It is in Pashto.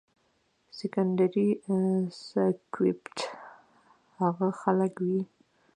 سيکنډري سائکوپېت هاغه خلک وي